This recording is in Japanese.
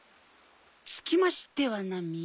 つきましてはナミ。